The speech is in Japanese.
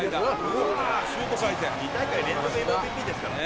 「２大会連続ＭＶＰですから」